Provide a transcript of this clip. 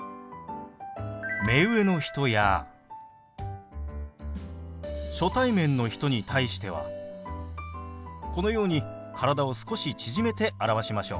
目上の人や初対面の人に対してはこのように体を少し縮めて表しましょう。